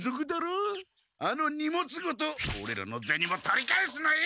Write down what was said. あの荷物ごとオレらのゼニも取り返すのよ！